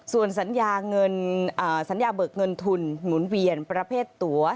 ส่วนสัญญาเบิกเงินทุนหนุนเวียนประเภทตัว